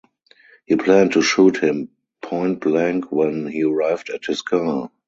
He planned to shoot him point blank when he arrived at his car.